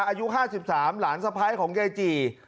อายุ๕๓หลานสะพ้ายของยายจี่